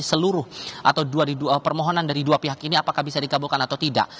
seluruh atau dua permohonan dari dua pihak ini apakah bisa dikabulkan atau tidak